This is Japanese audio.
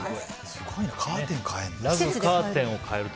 すごいなカーテン変えるの？